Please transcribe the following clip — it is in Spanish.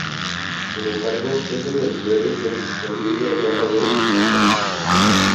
Sin embargo, estas velocidades se consigue rara vez en la práctica.